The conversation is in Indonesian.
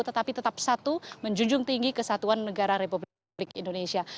tetapi tetap satu menjunjung tinggi kesatuan negara republik indonesia